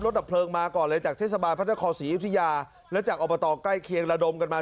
ดับเพลิงมาก่อนเลยจากเทศบาลพระนครศรีอยุธยาและจากอบตใกล้เคียงระดมกันมา